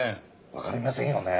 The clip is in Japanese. わかりませんよね。